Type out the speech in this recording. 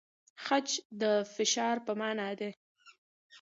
خج د فشار په مانا دی؟